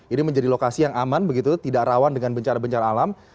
ini menjadi lokasi yang aman begitu tidak rawan dengan bencana bencana alam